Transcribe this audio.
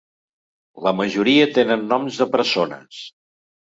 La majoria tenen noms de persones.